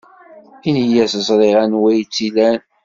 Ini-as ẓriɣ anwa ay tt-ilan.